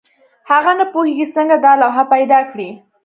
هغه نه پوهېږي څنګه دا لوحه پیدا کړي.